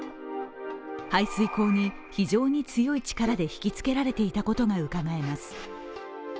排水口に非常に強い力で引きつけられていたことがうかがえます。